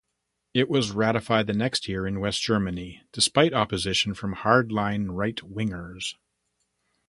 It was ratified the next year in West Germany, despite opposition from hardline right-wingers.